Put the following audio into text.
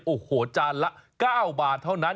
โอ้โหจานละ๙บาทเท่านั้น